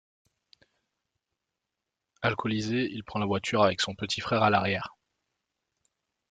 Alcoolisé, il prend la voiture avec son petit frère à l'arrière.